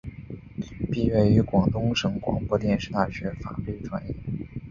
毕业于广东省广播电视大学法律专业。